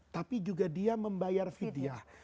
tapi juga dia membayar vidyah